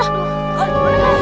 aduh aduh aduh